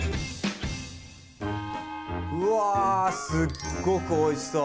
うわすっごくおいしそう！